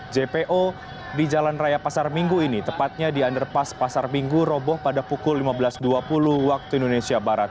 jpo di jalan raya pasar minggu ini tepatnya di underpass pasar minggu roboh pada pukul lima belas dua puluh waktu indonesia barat